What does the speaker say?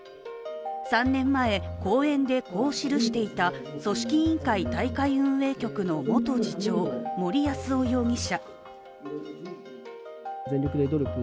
３年前、講演でこう記していた組織委員会大会運営局の元次長、森泰夫容疑者。